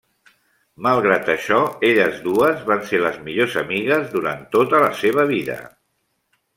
Malgrat això elles dues van ser les millors amigues durant tota la seva vida.